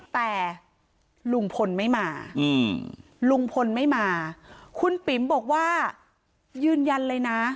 แต่ลุงพลไม่มาลุงพลไม่มาคุณปิ๋มบอกว่ายืนยันเลยนะ